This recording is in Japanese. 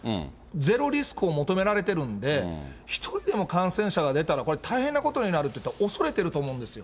ゼロリスクを求められてるんで、一人でも感染者が出たらこれ、大変なことになると恐れてると思うんですよ。